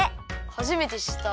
はじめてしった！